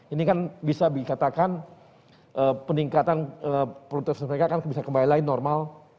ini kan bisa dikatakan peningkatan produktivitas mereka kan bisa kembali lagi normal